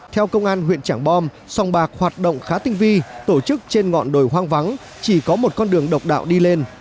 theo công an huyện trảng bom sòng bạc hoạt động khá tinh vi tổ chức trên ngọn đồi hoang vắng chỉ có một con đường độc đạo đi lên